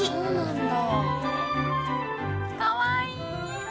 かわいい！